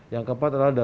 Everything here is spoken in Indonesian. yang keempat adalah dari